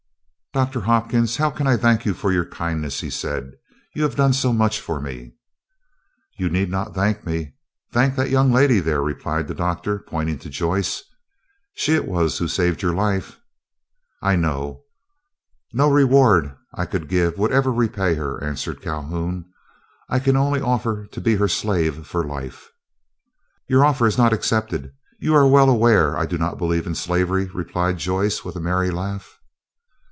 "Doctor Hopkins, how can I thank you for your kindness?" he said; "you have done so much for me." "You need not thank me, thank that young lady there," replied the Doctor, pointing to Joyce. "She it was who saved your life." "I know, no reward I could give would ever repay her," answered Calhoun. "I can only offer to be her slave for life." "Your offer is not accepted; you are well aware I do not believe in slavery," replied Joyce, with a merry laugh.